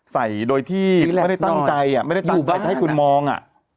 ใส่โดยที่ไม่ได้ตั้งใจไม่ได้ตัดไปให้คุณมอง